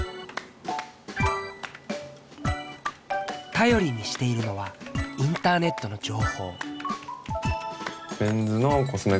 頼りにしているのはインターネットの情報。